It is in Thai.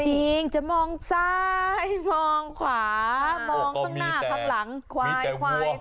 จริงจะมองซ้ายมองขวามองข้างหน้าข้างหลังควายควาย